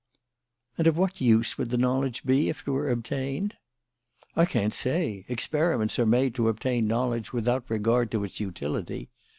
"And of what use would the knowledge be, if it were obtained?" "I can't say. Experiments are made to obtain knowledge without regard to its utility.